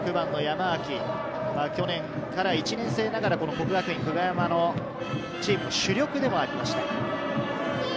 去年から１年生ながら、國學院久我山のチームの主力でもあります。